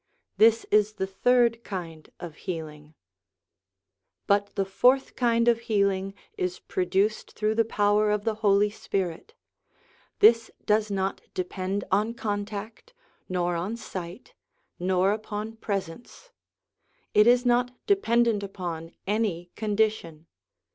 This is the third kind of healing. Jl\ But the fourth kind of healing is produced through the power of the Holy Spirit. This does not depend on contact, nor on sight, nor upon presence; it is not dependent upon any condition.